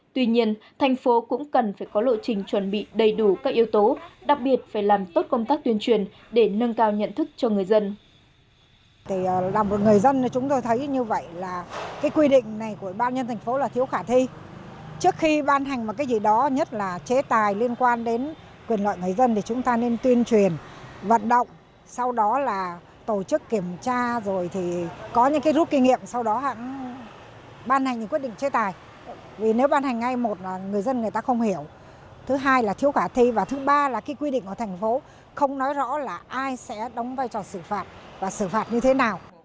tuy nhiên thành phố cũng cần phải có lộ trình chuẩn bị đầy đủ các yếu tố đặc biệt phải làm tốt công tác tuyên truyền để nâng cao nhận thức cho người dân